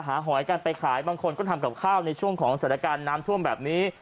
หอยกันไปขายบางคนก็ทำกับข้าวในช่วงของสถานการณ์น้ำท่วมแบบนี้